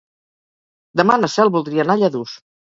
Demà na Cel voldria anar a Lladurs.